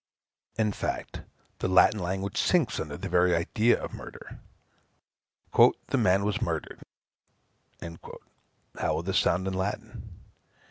In fact, the Latin language sinks under the very idea of murder. "The man was murdered;" how will this sound in Latin?